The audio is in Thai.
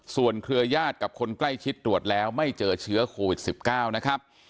ส่วนเครือญาติกับคนใกล้ชิดตรวจแล้วไม่เจอเชื้อโควิด๑๙นะครับ